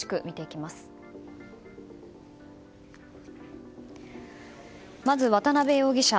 まず、渡辺容疑者。